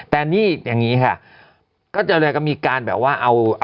แต่นี่อย่างนี้ค่ะก็จะมีการแบบว่าเอา